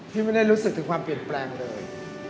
ไม่ได้รู้สึกถึงความเปลี่ยนแปลงเลย